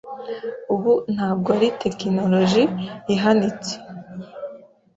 Ubu ntabwo ari tekinoroji ihanitse.